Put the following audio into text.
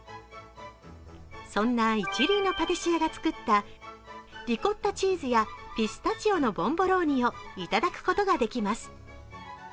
そんな一流のパティシエが作ったリコッタチーズやピスタチオのボンボローニをいただくことができます。